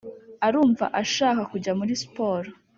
arumva ashaka kujya muri sport